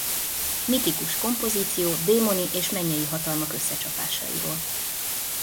Mitikus kompozíció démoni és mennyei hatalmak összecsapásairól.